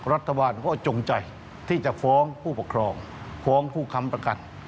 รัฐบาลก็จงใจที่จะฟ้องผู้ปกครองฟ้องผู้ค้ำประกัน